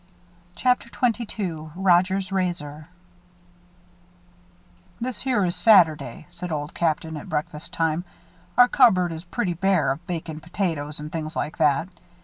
CHAPTER XXII ROGER'S RAZOR "This here is Saturday," said Old Captain, at breakfast time. "Our cupboard is pretty bare of bacon, potatoes, and things like that.